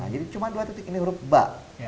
jadi cuma dua titik ini huruf ba